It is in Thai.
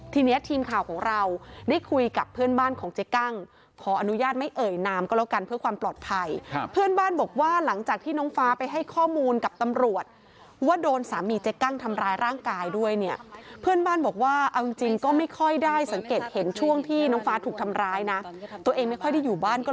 ทีนี้ทีมข่าวของเราได้คุยกับเพื่อนบ้านของเจ๊กั้งขออนุญาตไม่เอ่ยนามก็แล้วกันเพื่อความปลอดภัยเพื่อนบ้านบอกว่าหลังจากที่น้องฟ้าไปให้ข้อมูลกับตำรวจว่าโดนสามีเจ๊กั้งทำร้ายร่างกายด้วยเนี่ยเพื่อนบ้านบอกว่าเอาจริงจริงก็ไม่ค่อยได้สังเกตเห็นช่วงที่น้องฟ้าถูกทำร้ายนะตัวเองไม่ค่อยได้อยู่บ้านก็